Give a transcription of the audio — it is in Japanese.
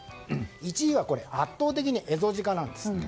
１位は圧倒的にエゾジカなんです。